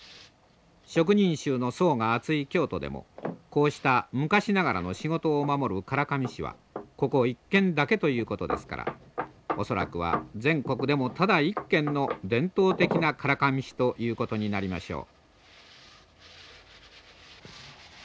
職人衆の層が厚い京都でもこうした昔ながらの仕事を守る唐紙師はここ一軒だけということですから恐らくは全国でもただ一軒の伝統的な唐紙師ということになりましょう。